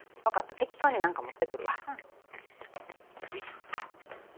適当に何か持ってくるわうんよいしょ